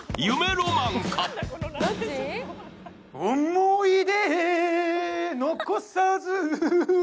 思い出残さず